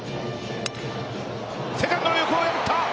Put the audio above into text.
セカンドの横を破った。